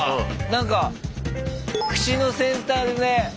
何かくしの先端で。